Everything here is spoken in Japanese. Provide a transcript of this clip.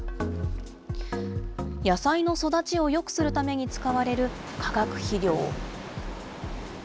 野菜の育ちをよくするために使われる化学肥料。